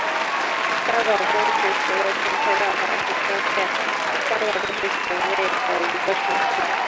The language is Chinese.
香港中学学位分配办法是分配香港中学学位的一个程序。